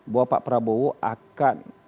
bahwa pak prabowo akan